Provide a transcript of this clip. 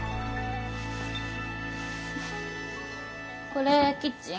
これキッチン？